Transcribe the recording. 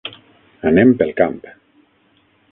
Anem pel camp.